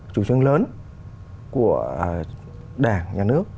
chủ trương lớn của đảng nhà nước